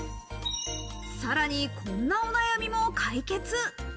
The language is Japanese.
さらにこんなお悩みも解決。